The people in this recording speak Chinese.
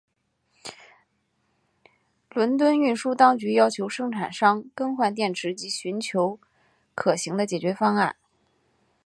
伦敦运输当局要求生产商更换电池及寻求可行的解决方案。